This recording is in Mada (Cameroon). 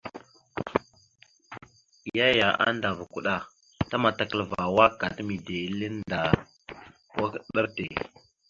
Yaya andava kuɗa ta matakalva awak gata mide ille annda awak ɗar te.